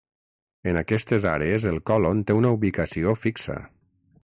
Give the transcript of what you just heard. En aquestes àrees el còlon té una ubicació fixa.